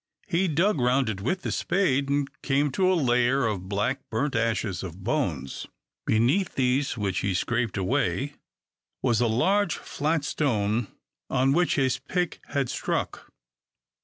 He dug round it with the spade, and came to a layer of black burnt ashes of bones. Beneath these, which he scraped away, was the large flat stone on which his pick had struck.